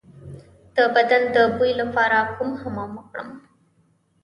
د بدن د بوی لپاره کوم حمام وکړم؟